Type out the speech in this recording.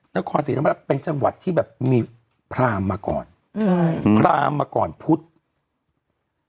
นครศรีธรรมราชเป็นจังหวัดที่แบบมีพรามมาก่อนอืมพรามมาก่อนพุธ